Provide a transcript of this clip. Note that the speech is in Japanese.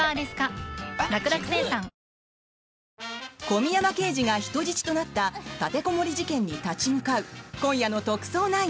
小宮山刑事が人質となった立てこもり事件に立ち向かう今夜の「特捜９」。